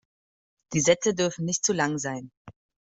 Die Sätze dürfen nicht zu lang sein.